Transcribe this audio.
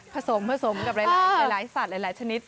ผสมผสมกับหลายสัตว์หลายชนิด